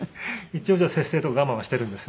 一応じゃあ節制と我慢はしてるんですね。